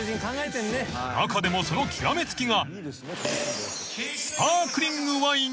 ［中でもその極め付きが］